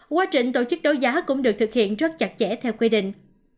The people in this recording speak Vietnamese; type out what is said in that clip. quá trình tổ chức đấu giá cũng được thực hiện rất chặt chẽ theo quy định